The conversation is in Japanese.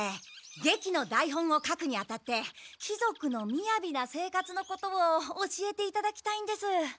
劇の台本を書くにあたって貴族のみやびな生活のことを教えていただきたいんです。